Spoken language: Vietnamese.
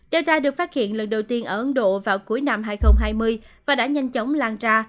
dara được phát hiện lần đầu tiên ở ấn độ vào cuối năm hai nghìn hai mươi và đã nhanh chóng lan ra